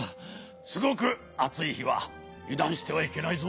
すごくあついひはゆだんしてはいけないぞ。